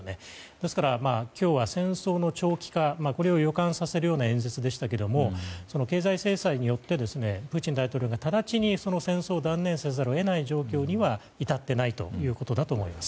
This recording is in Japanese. ですから今日は、戦争の長期化これを予感させるような演説でしたけれども経済制裁によってプーチン大統領が直ちに戦争を断念せざるを得ない状況には至っていないということだと思います。